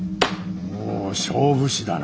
おお勝負師だな。